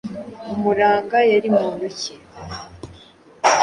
Umuranga yari muntu ki?